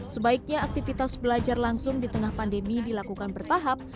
sebaiknya aktivitas belajar langsung di tengah pandemi dilakukan bertahap